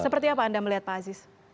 seperti apa anda melihat pak aziz